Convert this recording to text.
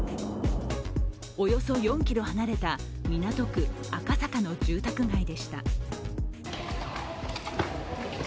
およそ４ｋｍ離れた港区赤坂の住宅街でした。